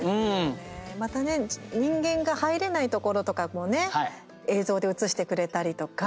また人間が入れない所とか映像で映してくれたりとか。